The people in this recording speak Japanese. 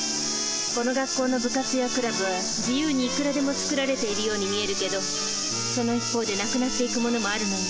この学校の部活やクラブは自由にいくらでも作られているように見えるけどその一方でなくなっていくものもあるのよ。